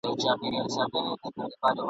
خلکو آباد کړل خپل وطنونه !.